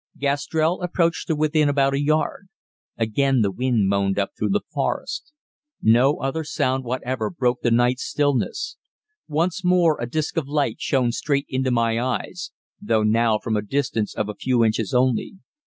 Gastrell approached to within about a yard. Again the wind moaned up through the forest. No other sound whatever broke the night's stillness. Once more a disc of light shone straight into my eyes, though now from a distance of a few inches only.